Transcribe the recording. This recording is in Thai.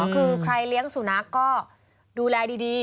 คือใครเลี้ยงสุนัขก็ดูแลดี